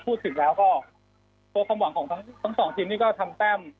พูดถึงแล้วก็ตัวความหวังของทั้งสองทีมนี่ก็ทำแต้ม